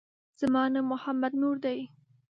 زما نوم محمد نور دی